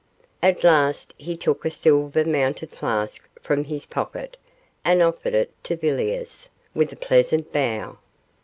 At last he took a silver mounted flask from his pocket and offered it to Villiers, with a pleasant bow.